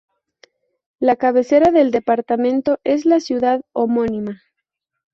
La cabecera del departamento es la ciudad homónima.